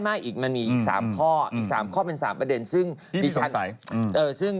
ไม่อีกมันมี๓ข้อเป็น๓ประเด็นซึ่ง